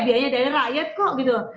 biaya dari rakyat kok gitu